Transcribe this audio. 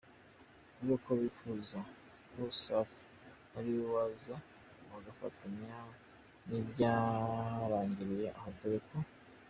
bavuga ko bifuza ko Safi ari we waza bagafatanya , ntibyarangiriye aho dore ko.